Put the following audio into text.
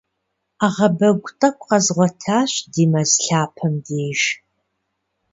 Ӏэгъэбэгу тӏэкӏу къэзгъуэтащ ди мэз лъапэм деж.